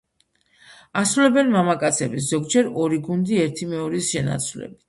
ასრულებენ მამაკაცები, ზოგჯერ ორი გუნდი ერთი მეორის შენაცვლებით.